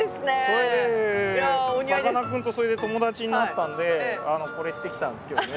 それでさかなクンと友達になったんでこれしてきたんですけどね。